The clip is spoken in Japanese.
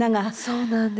そうなんです。